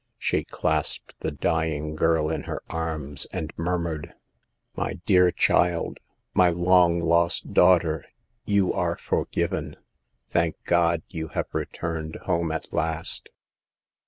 She clasped the dying girl in her arms and murmured :" My dear child, my long lost daughter, you are forgiven. Thank God, you have re turned home at last.